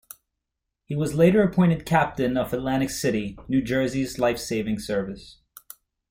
He was later appointed captain of Atlantic City, New Jersey's lifesaving service.